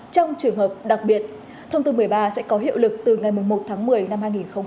trong trường hợp đặc biệt thông tư một mươi ba sẽ có hiệu lực từ ngày một mươi một tháng một mươi năm hai nghìn hai mươi một